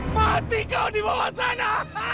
mati kau di bawah sana